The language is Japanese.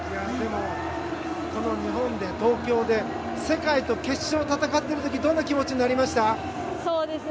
この日本で、東京で世界と決勝を戦ってる時どんな気持ちになりました？